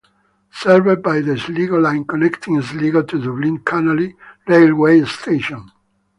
Served by the Sligo Line connecting Sligo to Dublin Connolly railway station.